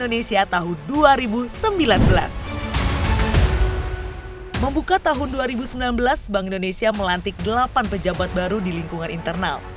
membuka tahun dua ribu sembilan belas bank indonesia melantik delapan pejabat baru di lingkungan internal